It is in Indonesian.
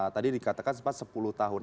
tadi dikatakan sempat sepuluh tahun